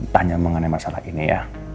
tanya mengenai masalah ini ya